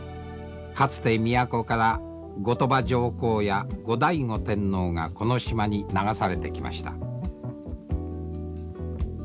かつて都から後鳥羽上皇や後醍醐天皇がこの島に流されてきました。